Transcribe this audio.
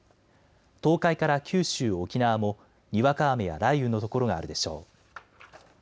東海から九州、沖縄もにわか雨や雷雨の所があるでしょう。